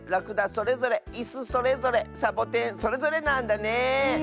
それぞれいすそれぞれサボテンそれぞれなんだね。